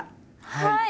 はい！